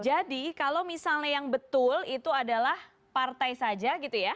jadi kalau misalnya yang betul itu adalah partai saja gitu ya